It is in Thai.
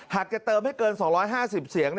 หากจะเติมให้เกินสองร้อยห้าสิบเสียง